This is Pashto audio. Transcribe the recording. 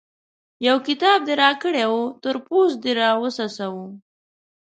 يو کتاب دې راکړی وو؛ تر پوست دې راوڅڅاوو.